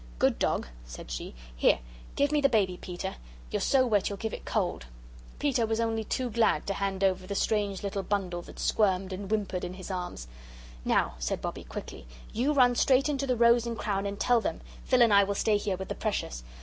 Good dog," said she. "Here give me the baby, Peter; you're so wet you'll give it cold." Peter was only too glad to hand over the strange little bundle that squirmed and whimpered in his arms. "Now," said Bobbie, quickly, "you run straight to the 'Rose and Crown' and tell them. Phil and I will stay here with the precious.